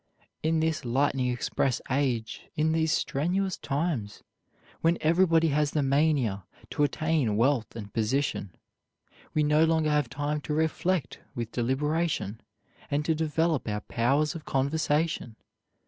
In this lightning express age, in these strenuous times, when everybody has the mania to attain wealth and position, we no longer have time to reflect with deliberation, and to develop our powers of conversation.